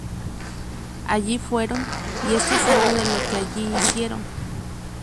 Allí fueron,y esto es algo de lo que allí hicieron.